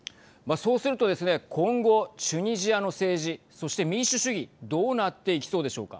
そうするとですね、今後チュニジアの政治そして民主主義どうなっていきそうでしょうか。